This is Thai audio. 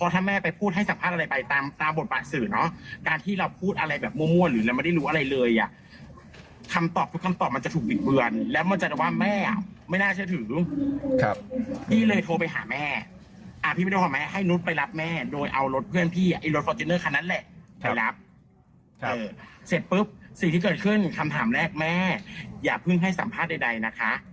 จับเลี่ยงถามคือสิทธิ์ที่เกิดขึ้นคำถามแรกว่าแม่อย่าเพื่อนให้สัมภาษณ์ใดนะคะ